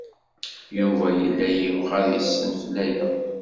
Yuba yella yebɣa ad yessenfel aya.